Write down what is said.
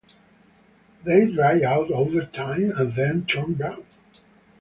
They dry out over time and then turn brown.